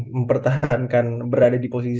mempertahankan berada di posisi